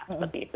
seperti itu gitu